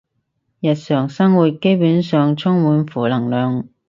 日常生活基本上充滿負能量